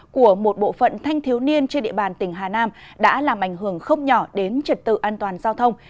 của một bộ phận thanh thiếu niên trên địa bàn tỉnh hà nam đã làm ảnh hưởng không nhỏ đến trật tự an toàn giao thông